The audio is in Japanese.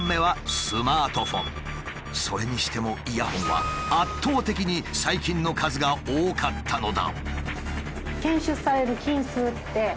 それにしてもイヤホンは圧倒的に細菌の数が多かったのだ。